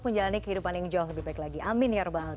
menjalani kehidupan yang jauh lebih baik lagi amin herbal